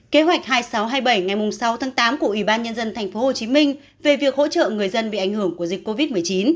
kế hoạch hai nghìn sáu trăm hai mươi bảy ngày sáu tháng tám của ủy ban nhân dân tp hcm về việc hỗ trợ người dân bị ảnh hưởng của dịch covid một mươi chín